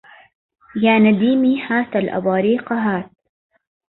يا نديمي هات الأباريق هات